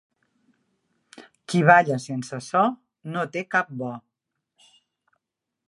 Qui balla sense so no té el cap bo.